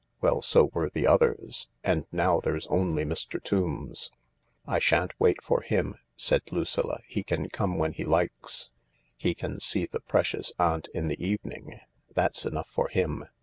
" Well, so were the others, And now there's only Mr. Tombs." " I shan't wait for him," said Lucilla. " He can come when he likes* He can see the precious aunt in the evening ; that's enough for him.